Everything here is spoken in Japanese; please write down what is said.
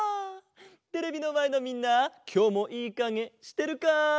テレビのまえのみんなきょうもいいかげしてるか？